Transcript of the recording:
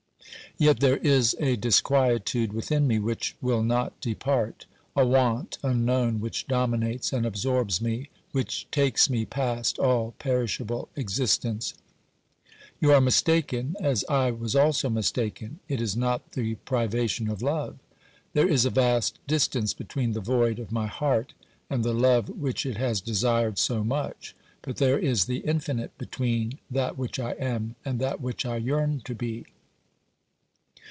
Yet there is a disquietude within me which will not depart ; a want unknown which dominates and absorbs me, which takes me past all perishable existence, ,,. You are mis taken, as I was also mistaken — it is not the privation of love. There is a vast distance between the void of my heart and the love which it has desired so much, but there is the infinite between that which I am and that which I yearn to be.